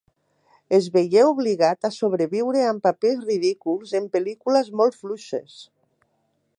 Es veié obligat a sobreviure amb papers ridículs, en pel·lícules molt fluixes.